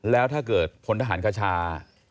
แล้วถ้าเกิดพลทหารคชา